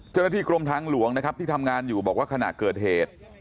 เจ้าหน้าที่กรมทางหลวงนะครับที่ทำงานอยู่บอกว่าขณะเกิดเหตุ